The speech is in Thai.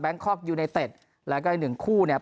แบงค์คอปท์ยูไนเต็ดแล้วก็ให้หนึ่งคู่เนี้ย